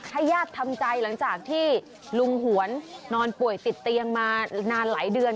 ญาติทำใจหลังจากที่ลุงหวนนอนป่วยติดเตียงมานานหลายเดือน